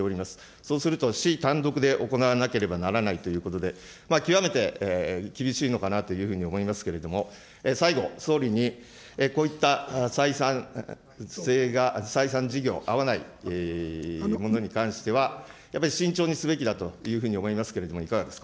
そうすると、市単独で行わなければならないということで、極めて厳しいのかなというふうに思いますけれども、最後、総理に、こういった採算性が、採算事業、合わないものに関しては、やっぱり慎重にすべきだというふうに思いますけれども、いかがですか。